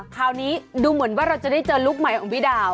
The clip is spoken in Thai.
คราวนี้ดูเหมือนว่าเราจะได้เจอลูกใหม่ของพี่ดาว